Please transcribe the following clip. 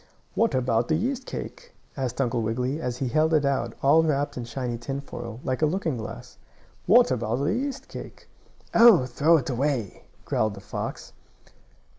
"What about the yeast cake?" asked Uncle Wiggily, as he held it out, all wrapped in shiny tinfoil, like a looking glass. "What about the yeast cake?" "Oh, throw it away!" growled the fox.